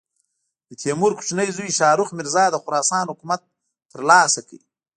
د تیمور کوچني زوی شاهرخ مرزا د خراسان حکومت تر لاسه کړ.